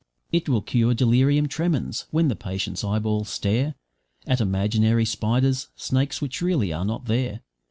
It will cure Delirium Tremens, when the patient's eyeballs stare At imaginary spiders, snakes which really are not there.